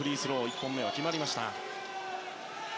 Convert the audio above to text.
１本目決まりました。